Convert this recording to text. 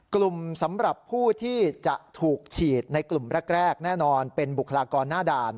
สำหรับผู้ที่จะถูกฉีดในกลุ่มแรกแน่นอนเป็นบุคลากรหน้าด่าน